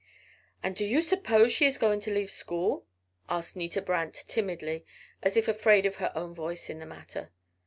"And do you suppose she is going to leave school?" asked Nita Brant, timidly, as if afraid of her own voice in the matter.